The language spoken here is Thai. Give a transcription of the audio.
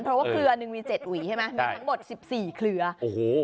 เพราะว่าเครือนึงมีเจ็ดหวีใช่ไหมมีทั้งหมดสิบสี่เครือโอ้โห